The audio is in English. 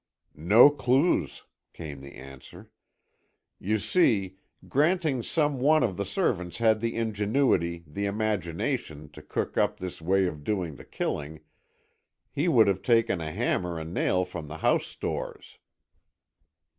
"No clues," came the answer. "You see, granting some one of the servants had the ingenuity, the imagination, to cook up this way of doing the killing, he would have taken a hammer and nail from the house stores."